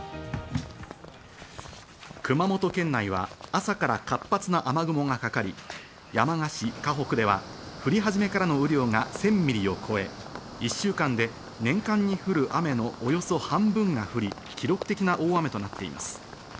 熊本県内は朝から活発な雨雲がかかり、山鹿市鹿北では降り始めからの雨量が１０００ミリを超え、１週間で年間に降る雨のおよそ半分が降り、記録的な大雨となっています。